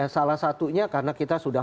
salah satunya karena kita sudah